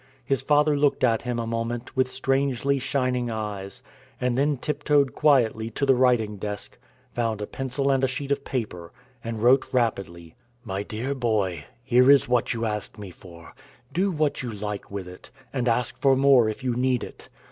His father looked at him a moment with strangely shining eyes, and then tiptoed quietly to the writing desk, found a pencil and a sheet of paper, and wrote rapidly: "My dear boy, here is what you asked me for; do what you like with it, and ask for more if you need it.